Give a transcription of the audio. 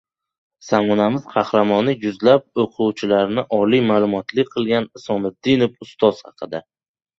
Zamonamiz qahramoni: yuzlab o‘quvchilarni oliy ma’lumotli qilgan Isomiddinov ustoz haqida